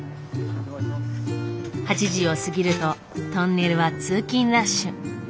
８時を過ぎるとトンネルは通勤ラッシュ。